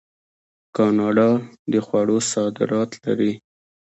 کاناډا د خوړو صادرات لري.